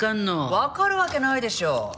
わかるわけないでしょう。